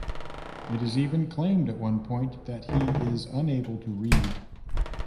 It is even claimed at one point that he is unable to read.